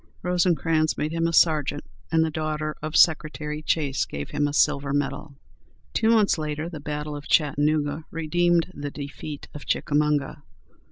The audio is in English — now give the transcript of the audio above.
Rosecrans, made him a sergeant, and the daughter of Secretary Chase gave him a silver medal. Two months later, the battle of Chattanooga redeemed the defeat of Chickamauga.